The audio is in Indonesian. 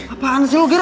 apaan sih lu gera